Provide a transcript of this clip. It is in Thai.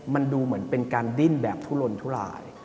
มันดูเหมือนเป็นการดิ้นแบบทุลนทุลาย